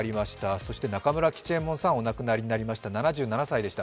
そして中村吉右衛門さん、お亡くなりになりました、７７歳でした。